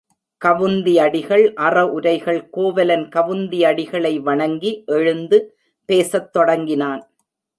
கவுந்தி அடிகள் அற உரைகள் கோவலன் கவுந்தியடிகளை வணங்கி எழுந்து பேசத் தொடங்கினான்.